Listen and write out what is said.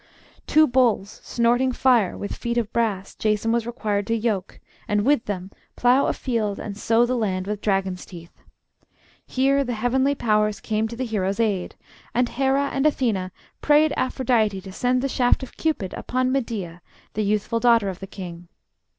Two bulls, snorting fire, with feet of brass, Jason was required to yoke, and with them plow a field and sow the land with dragon's teeth. Here the heavenly powers came to the hero's aid, and Hera and Athena prayed Aphrodite to send the shaft of Cupid upon Medea, the youthful daughter of the king.